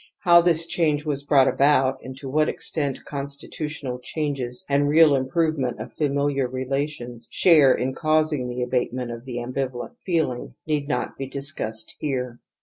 How this change was brought about, and to what extent constitutional changes and real improve ment of familiar relations share in causing the abatement of the ambivalent feehng, need not be discussed here.